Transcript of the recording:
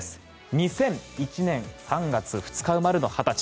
２００１年３月２０日生まれの２０歳。